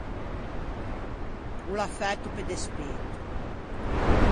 O l’à fæto pe despeto.